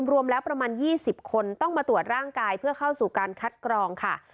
รวมแล้วประมาณ๒๐คนต้องมาตรวจร่างกายเพื่อเข้าสู่การคัดกรองค่ะ